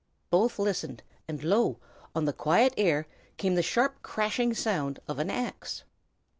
Both listened, and, lo! on the quiet air came the sharp crashing sound of an axe.